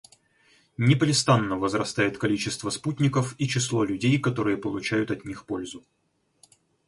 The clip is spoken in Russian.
Непрестанно возрастает количество спутников и число людей, которые получают от них пользу.